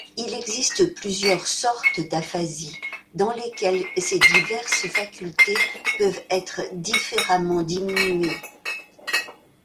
Il existe plusieurs sortes d’aphasie dans lesquelles ces diverses facultés peuvent être différemment diminuées.